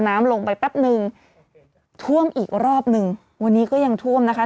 น้ำลงไปแป๊บนึงท่วมอีกรอบหนึ่งวันนี้ก็ยังท่วมนะคะ